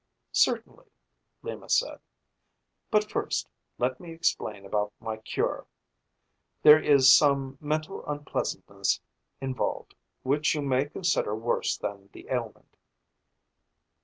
"Certainly," Lima said. "But, first, let me explain about my cure. There is some mental unpleasantness involved which you may consider worse than the ailment."